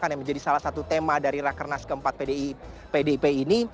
dan yang menjadi salah satu tema dari rakernas keempat pdip ini